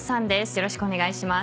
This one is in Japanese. よろしくお願いします。